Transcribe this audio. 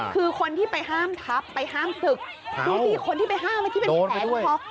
คือคนที่ไปห้ามทับไปห้ามศึกดูสิคนที่ไปห้ามที่เป็นแผลนี่พอ